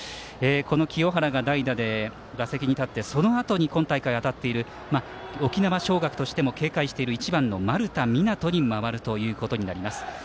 清原が代打で打席に入ってそのあとに今大会、当たっている沖縄尚学としても警戒している１番の丸田湊斗に回るということになります。